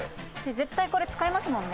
絶対これ使いますもんね。